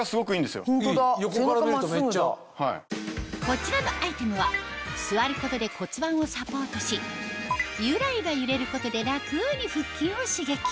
こちらのアイテムは座ることで骨盤をサポートしゆらゆら揺れることで楽に腹筋を刺激